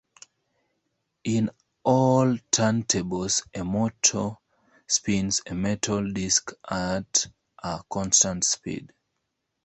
In all turntables a motor spins a metal disk at a constant speed.